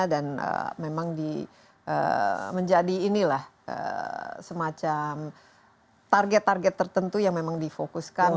dan memang menjadi inilah semacam target target tertentu yang memang difokuskan